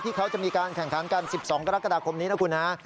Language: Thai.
ที่เค้าจะมีการแข่งขังกัน๑๒กรกฎาคมนี้นะครับคุณฮะ